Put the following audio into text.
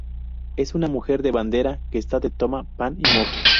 Es una mujer de bandera que está de toma pan y moja